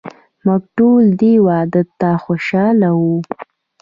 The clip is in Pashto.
موږ ټول دې واده ته خوشحاله وو.